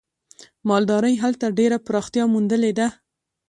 مالدارۍ هلته ډېره پراختیا موندلې ده.